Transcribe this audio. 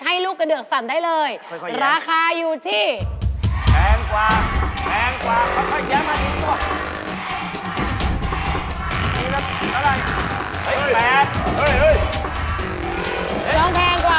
ลูกกระเดือกสั่นได้เลยราคาอยู่ที่แพงกว่าแพงกว่า